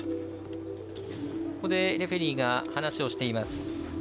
レフェリーが話をしています。